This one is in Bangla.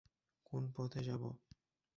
কোন পথে যাব?